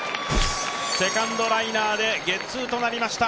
セカンドライナーでゲッツーとなりました。